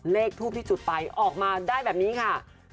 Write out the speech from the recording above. เลขทูปที่จุดไปออกมาได้แบบนี้ค่ะ